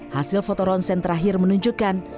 hasil foto ronsen terakhir menunjukkan